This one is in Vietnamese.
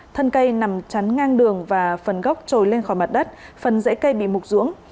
thân cây nằm chắn ngang đường và phần gốc trồi lên khỏi mặt đất phần rễ cây bị mục dưỡng